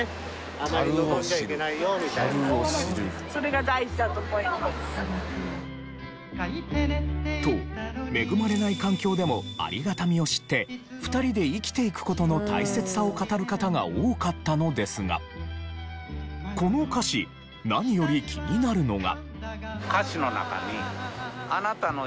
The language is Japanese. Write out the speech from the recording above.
あまり望んじゃいけないよみたいな。と恵まれない環境でもありがたみを知って２人で生きていく事の大切さを語る方が多かったのですがこの歌詞何より気になるのが。